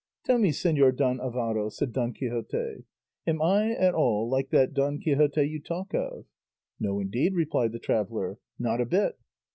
"Tell me, Señor Don Alvaro," said Don Quixote, "am I at all like that Don Quixote you talk of?" "No indeed," replied the traveller, "not a bit."